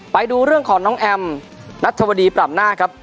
ไปดูเรื่องของน้องแอมนัทธวดีปรับหน้าครับ